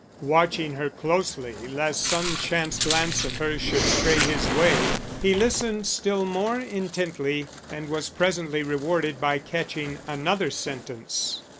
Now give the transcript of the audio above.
Watching her closely lest some chance glance of hers should stray his way, he listened still more intently and was presently rewarded by catching another sentence.